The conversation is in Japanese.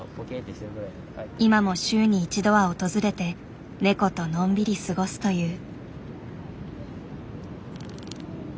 今も週に１度は訪れてネコとのんびり過ごすという。